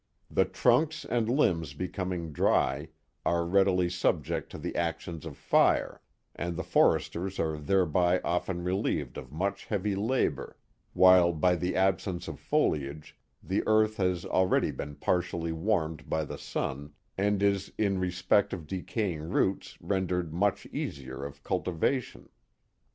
The trunks and limbs becoming dry, are readily subject to the action of fire, and the foresters are thereby often relieved of much heavy labor, while by the absence of foliage, the earth has already been partially warmed by the sun, and is in respect of decaying roots, rendered much easier of cultivation.